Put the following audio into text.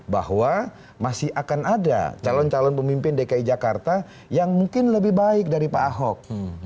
bahwa masih akan ada calon calon pemimpin dki jakarta yang mungkin lebih baik dari pak ahok